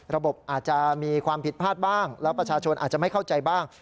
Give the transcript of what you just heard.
ระบบอาจจะมีความผิดพลาดบ้างแล้วประชาชนอาจจะไม่เข้าใจบ้าง